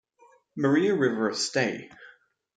Maria River of Sta.